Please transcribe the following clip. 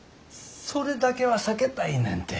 それだけは避けたいねんて。